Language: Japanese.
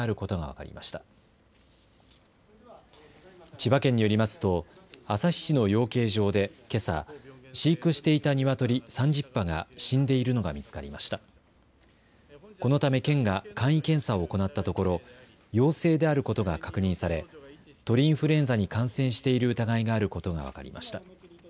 このため県が簡易検査を行ったところ、陽性であることが確認され、鳥インフルエンザに感染している疑いがあることが分かりました。